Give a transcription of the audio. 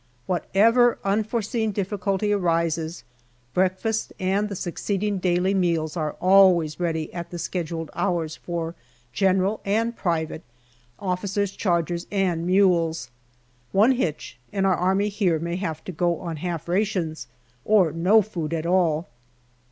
Whatever unforeseen difficulty arises, breakfast and the succeeding daily meals are always ready at the scheduled hours for General and private, officers' chargers and mules. One hitch, and our Army here may have to go on half rations or no food at all.